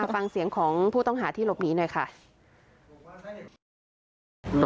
ผมเมื่อยผมไปทำใจนะครับ